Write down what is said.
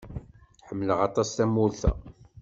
Ḥemmleɣ aṭas tamurt-a.